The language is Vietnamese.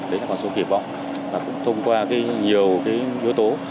đấy là con số kỳ vọng và cũng thông qua nhiều yếu tố